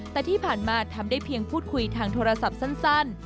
แต่ที่ผ่านมาทำได้เพียงพูดคุยทางโทรศัพท์สั้น